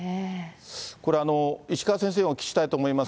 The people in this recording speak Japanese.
これ、石川先生にお聞きしたいと思います。